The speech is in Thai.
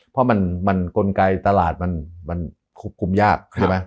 เพราะมันกลไกตลาดมันคุ้มยาก